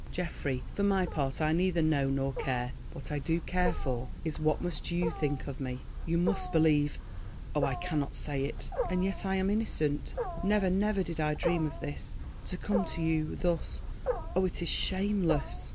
Geoffrey, for my part, I neither know nor care. What I do care for is, what must you think of me? You must believe, oh!—I cannot say it. And yet I am innocent. Never, never did I dream of this. To come to you—thus—oh, it is shameless!"